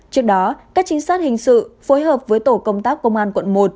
trước đó các trinh sát hình sự phối hợp với tổ công tác công an quận một